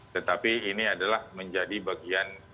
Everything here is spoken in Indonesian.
tetapi ini adalah menjadi bagian